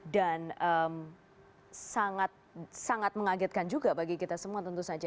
dan sangat mengagetkan juga bagi kita semua tentu saja